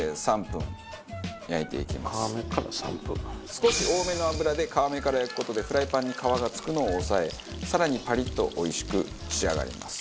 少し多めの油で皮目から焼く事でフライパンに皮が付くのを抑え更にパリッとおいしく仕上がります。